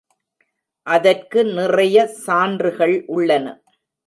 அதற்கு நிறைய சான்றுகள் உள்ளன.